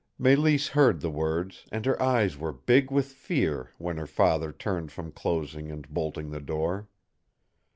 Mélisse heard the words, and her eyes were big with fear when her father turned from closing and bolting the door.